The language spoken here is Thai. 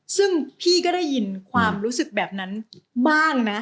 ซึ่งพี่ก็ได้ยินความรู้สึกแบบนั้นบ้างนะ